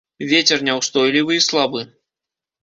Вецер няўстойлівы і слабы.